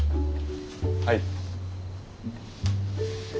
はい？